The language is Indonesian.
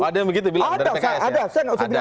ada yang begitu bilang dari pks ya